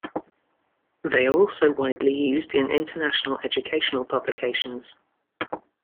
They are also widely used in international educational publications.